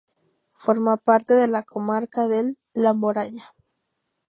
Forma parte de la comarca del La Moraña.